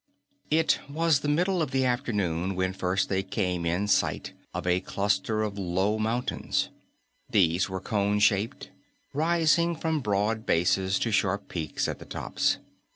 It was the middle of the afternoon when first they came in sight of a cluster of low mountains. These were cone shaped, rising from broad bases to sharp peaks at the tops.